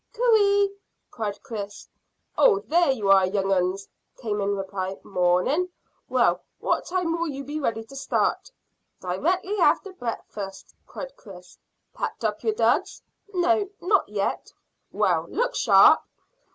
"Coo ee!" cried Chris. "Oh, there you are, young 'uns," came in reply. "Mornin'. Well, what time will you be ready to start?" "Directly after breakfast," cried Chris. "Packed up your duds?" "No, not yet." "Well, look sharp."